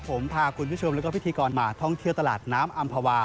ผมพาคุณผู้ชมแล้วก็พิธีกรมาท่องเที่ยวตลาดน้ำอำภาวา